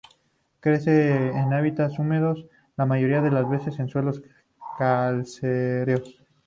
Crece en hábitats húmedos, la mayoría de las veces en suelos calcáreos.